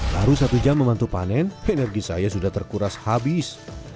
baru satu jam membantu panen energi saya sudah terkuras habis